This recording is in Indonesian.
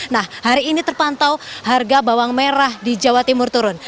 nah hari ini terpantau harga bawang merah di jawa timur turun